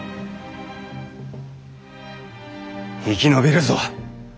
生き延びるぞ！